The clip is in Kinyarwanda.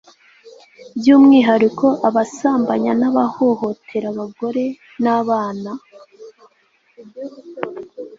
by'umwihariko abasambanya n'abahohotera abagore n' abana